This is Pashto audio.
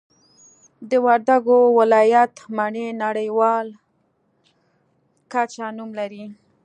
د وردګو ولایت مڼې نړیوال کچه نوم لري